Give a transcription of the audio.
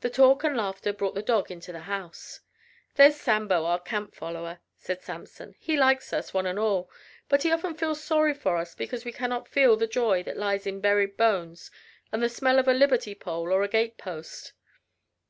The talk and laughter brought the dog into the house. "There's Sambo, our camp follower," said Samson. "He likes us, one and all, but he often feels sorry for us because we cannot feel the joy that lies in buried bones and the smell of a liberty pole or a gate post."